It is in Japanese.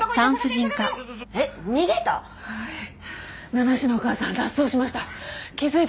名無しのお母さん脱走しました。